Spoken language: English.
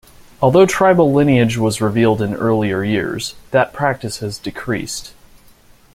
Although tribal lineage was revealed in earlier years, that practice has decreased.